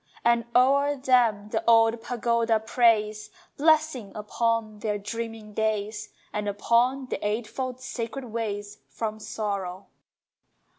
And o'er them the old pagoda prays Blessing upon their dreaming days, And upon the eightfold sacred ways From Sorrow!